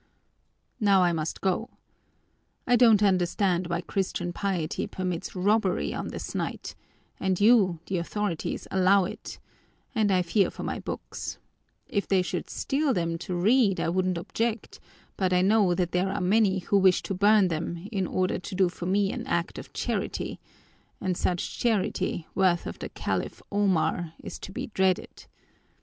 "Now I must go. I don't understand why Christian piety permits robbery on this night and you, the authorities, allow it and I fear for my books. If they should steal them to read I wouldn't object, but I know that there are many who wish to burn them in order to do for me an act of charity, and such charity, worthy of the Caliph Omar, is to be dreaded.